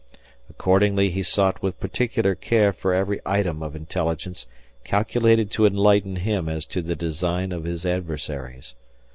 Accordingly he sought with particular care for every item of intelligence calculated to enlighten him as to the design of his adversaries.